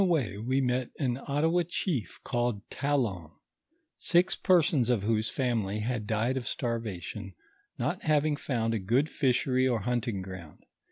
On tlio way wo mot an Ottawa chief called Talon, six persons of whoso family had died of Htarva tion, not having found a good fishery or hunting ground.